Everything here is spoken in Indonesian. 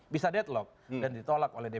bisa deadlock dan ditolak oleh dp